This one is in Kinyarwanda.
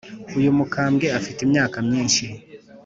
Uyu mukambwe afite imyaka myinshi.